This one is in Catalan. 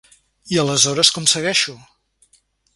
I aleshores com segueixo?